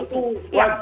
kalau itu wajarnya